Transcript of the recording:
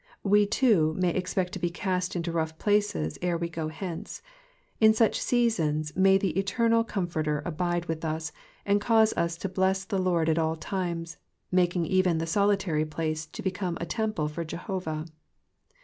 We too may eae pect to be cast into rough places ere ice go hence. In such seasons, may the Eternal Com forter abide with us, and cause us to bless the Lord at all times, making even the solitary place to become a temple for Jehovah.